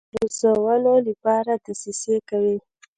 پرزولو لپاره دسیسې کوي.